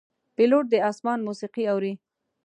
پیلوټ د آسمان موسیقي اوري.